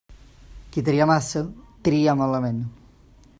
Qui tria massa, tria malament.